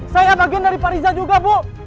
saya bagian dari pak riza juga bu